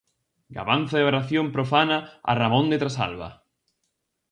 Gabanza e oración profana a Ramón de Trasalba.